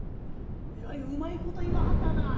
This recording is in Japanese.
えらいうまいこといわはったな。